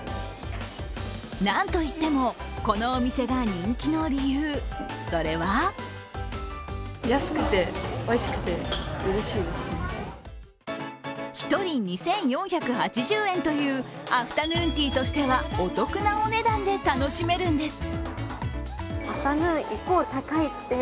なんといっても、このお店が人気の理由、それは１人２４８０円というアフタヌーンティーとしてはお得なお値段で楽しめるんです。